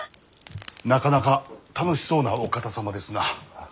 なかなか楽しそうなお方様ですな。